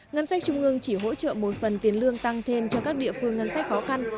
ngân sách trung ương chỉ hỗ trợ một phần tiền lương tăng thêm cho các địa phương ngân sách khó khăn